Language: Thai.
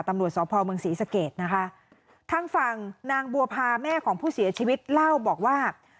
ตำรวจสพเมืองศรีสะเกดนะคะทางฝั่งนางบัวพาแม่ของผู้เสียชีวิตเล่าบอกว่า